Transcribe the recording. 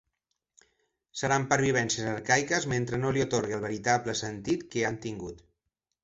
Seran pervivències arcaiques mentre no li atorgue el veritable sentit que han tingut.